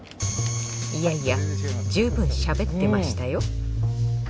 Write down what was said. いやいや十分喋ってましたよ。